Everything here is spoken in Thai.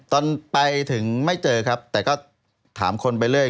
ตอนไปถึงไม่เจอครับแต่ก็ถามคนไปเรื่อย